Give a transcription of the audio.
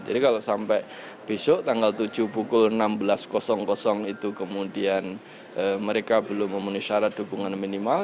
jadi kalau sampai besok tanggal tujuh pukul enam belas itu kemudian mereka belum memenuhi syarat dukungan minimal